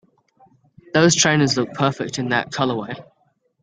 Those trainers look perfect in that colorway!